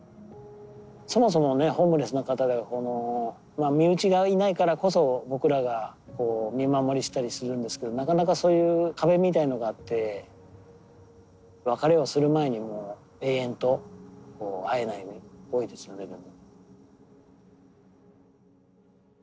そもそもねホームレスの方でこの身内がいないからこそ僕らが見守りしたりするんですけどなかなかそういう壁みたいのがあって別れをする前にもう永遠と会えないことが多いですよね。